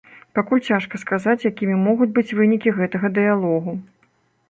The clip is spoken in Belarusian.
Пакуль цяжка сказаць якімі могуць быць вынікі гэтага дыялогу.